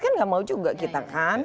kan nggak mau juga kita kan